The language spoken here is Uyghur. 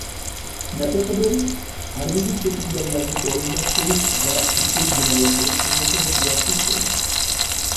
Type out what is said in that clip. نەپىقە بېرىش، ھەربىيدىن چېكىنگەنلەرنى ئورۇنلاشتۇرۇش ۋە ئىككىنى ھىمايە قىلىش خىزمىتىنى ياخشى ئىشلەيمىز.